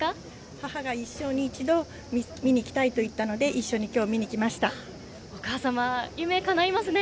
母が一生に一度見に来たいと言ったのでお母様、夢かないましたね。